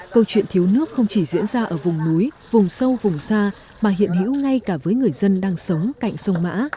câu chuyện thiếu nước không chỉ diễn ra ở vùng núi vùng sâu vùng xa mà hiện hữu ngay cả với người dân đang sống cạnh sông mã